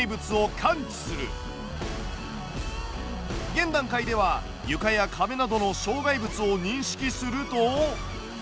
現段階では床や壁などの障害物を認識すると。